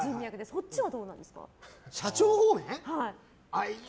そっちはどうなんですか？